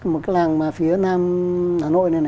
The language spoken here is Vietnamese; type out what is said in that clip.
một cái làng mà phía nam hà nội này